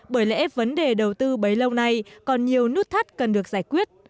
bởi lẽ vấn đề đầu tư bấy lâu nay còn nhiều nút thắt cần được giải quyết